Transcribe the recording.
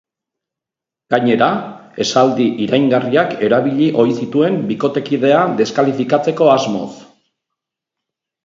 Gainera, esaldi iraingarriak erabili ohi zituen bikotekidea deskalifikatzeko asmoz.